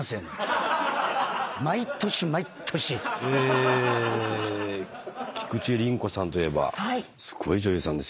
え菊地凛子さんといえばすごい女優さんですよね。